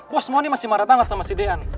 bos moni masih marah banget sama si deyan